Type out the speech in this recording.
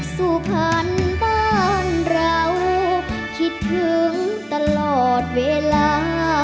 สุพรรณบ้านเราคิดถึงตลอดเวลา